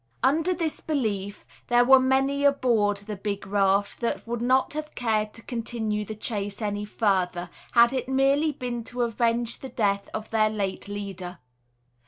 Under this belief, there were many aboard the big raft that would not have cared to continue the chase any further, had it merely been to avenge the death of their late leader.